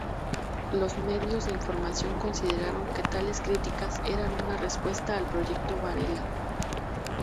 Los medios de información consideraron que tales críticas eran una respuesta al Proyecto Varela.